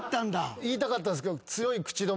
言いたかったんすけど。